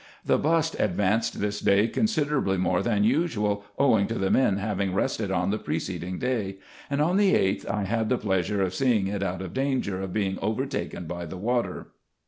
The bust advanced this day considerably more than usual, owing to the men having rested on the preceding day : and on the 8th I had the pleasure of seeing it out of danger of being overtaken by the water.